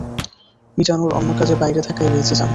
মিজানুর অন্য কাজে বাইরে থাকায় বেঁচে যান।